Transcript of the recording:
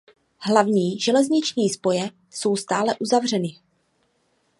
Hlavní železniční spoje jsou stále uzavřeny.